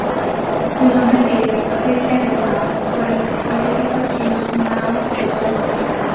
Su nombre significa "bestia de Mao" por el político chino Mao Zedong.